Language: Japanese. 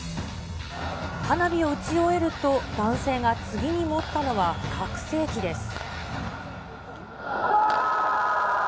花火を打ち終えると、男性が次に持ったのは拡声機です。